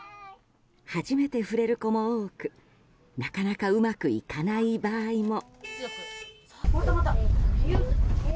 初めて触れる子も多くなかなかうまくいかない場合も。